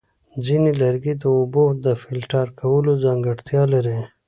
ځینې لرګي د اوبو د فلټر کولو ځانګړتیا لري.